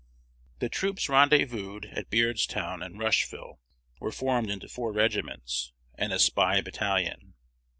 The troops rendezvoused at Beardstown and Rushville were formed into four regiments and a spy battalion.